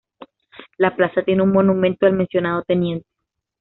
La plaza tiene un monumento al mencionado teniente.